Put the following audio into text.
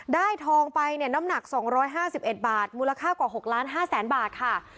ได้ทองไปเนี่ยน้ำหนัก๒๕๑บาทมูลค่ากว่า๖๕๐๐๐๐๐บาทค่ะ